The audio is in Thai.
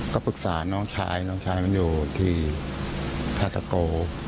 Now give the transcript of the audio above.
ก็ปรึกษาน้องชายน้องชายมันอยู่ที่ท่าตะโก